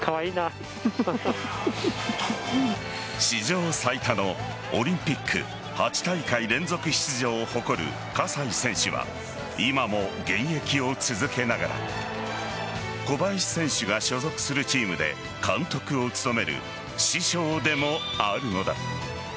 史上最多のオリンピック８大会連続出場を誇る葛西選手は今も現役を続けながら小林選手が所属するチームで監督を務める師匠でもあるのだ。